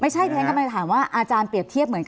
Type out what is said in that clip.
ที่ฉันกำลังจะถามว่าอาจารย์เปรียบเทียบเหมือน